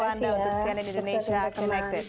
terima kasih atas waktu anda untuk sialan indonesia connected